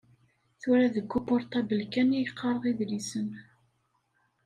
Tura deg upurṭabl kan ay qqareɣ idlisen.